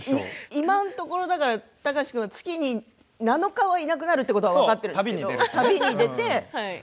今のところ貴司さんは月に７日はいなくなるということが分かっていますよね。